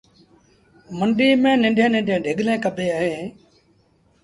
منڊيٚ ميݩ ننڍيٚݩ ننڍيٚݩ ڍڳليٚن ڪبيٚن اوهيݩ